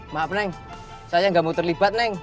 maaf neng saya nggak mau terlibat neng